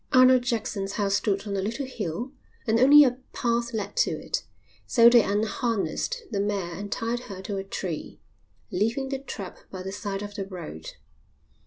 Arnold Jackson's house stood on a little hill and only a path led to it, so they unharnessed the mare and tied her to a tree, leaving the trap by the side of the road.